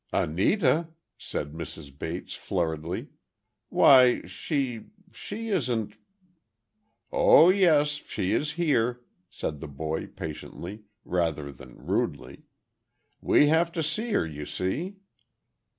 "Anita!" said Mrs. Bates, flurriedly; "why—she—she isn't—" "Oh, yes, she is here," said the boy, patiently, rather than rudely. "We have to see her, you see."